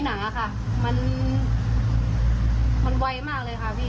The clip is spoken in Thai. มันเหมือนในหนาค่ะมันไวมากเลยค่ะพี่